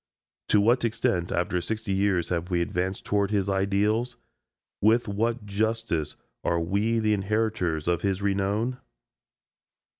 To what extent after sixty years have we advanced toward his ideals? With what justice are we the inheritors of his renown?